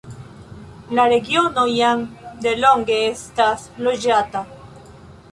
La regiono jam delonge estas loĝata.